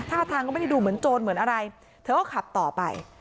ท่าทางก็ไม่ได้ดูเหมือนโจรเหมือนอะไรเธอก็ขับต่อไป